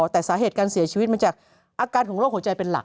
แต่สาเหตุการเสียชีวิตมาจากอาการของโรคหัวใจเป็นหลัก